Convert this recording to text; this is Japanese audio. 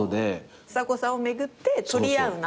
ちさ子さんを巡って取り合う仲。